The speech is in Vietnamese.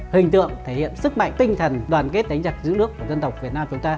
hình tượng thể hiện sức mạnh tinh thần đoàn kết đánh giặc giữ nước của dân tộc việt nam chúng ta